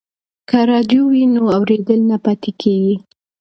که راډیو وي نو اورېدل نه پاتې کیږي.